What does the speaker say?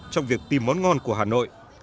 trong việc tìm món ngon của hà nội